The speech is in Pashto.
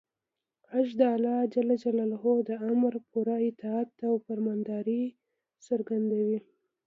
حج د الله د امر پوره اطاعت او فرمانبرداري څرګندوي.